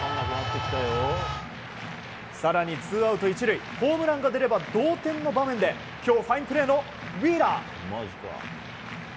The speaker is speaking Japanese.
更にツーアウト１塁ホームランが出れば同点の場面で今日、ファインプレーのウィーラー。